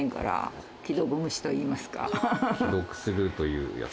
既読スルーというやつ。